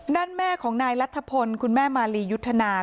แม่ของนายรัฐพลคุณแม่มาลียุทธนา